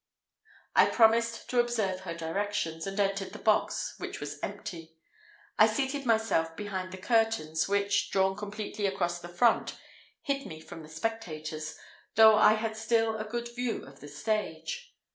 I promised to observe her directions, and entered the box, which was empty. I seated myself behind the curtains, which, drawn completely across the front, hid me from the spectators, though I had still a good view of the stage.